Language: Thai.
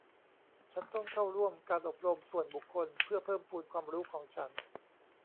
ฉันต้องเข้าร่วมการอบรมส่วนบุคคลเพื่อเพิ่มพูนความรู้ของฉัน